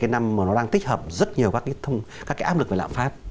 năm mà nó đang tích hợp rất nhiều các cái áp lực về lạm pháp